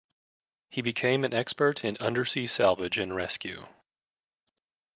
He became an expert in undersea salvage and rescue.